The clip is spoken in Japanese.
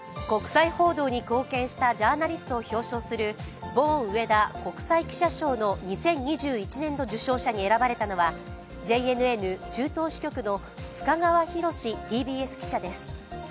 国際報道に貢献したジャーナリストを表彰するボーン・上田国際記者賞の２０２１年度受賞者に選ばれたのはＪＮＮ中東支局の須賀川拓ＴＢＳ記者です。